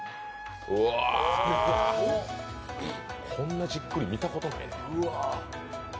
うわ、こんなじっくり見たことない。